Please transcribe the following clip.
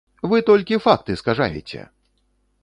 Вы толькі факты скажаеце!